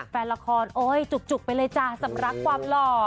แฟนละครโอ๊ยจุกไปเลยจ้ะสำหรับความหล่อ